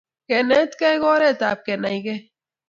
kenetkei ko oret ap kenaikei